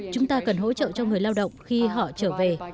chúng ta cần hỗ trợ cho người lao động khi họ trở về